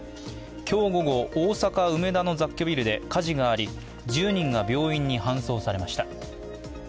今日午後、大阪・梅田の雑居ビルで火事があり、１０人が病院に搬送されました。